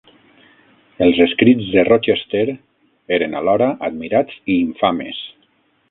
Els escrits de Rochester eren alhora admirats i infames.